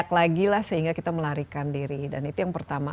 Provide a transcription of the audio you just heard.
jadi kita harus lagi lah sehingga kita melarikan diri dan itu yang pertama